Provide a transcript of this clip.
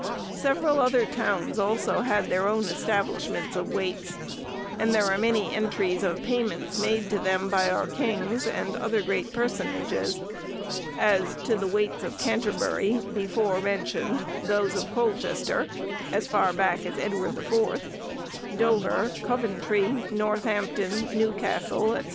Several other towns also had their own establishments of waits, and there are many entries of payments made to them by our kings, and other great personages; as, to the waits of Canterbury, before mentioned, those of Colchester—as far back as Edward the Fourth—Dover, Coventry, Northampton, Newcastle, &c.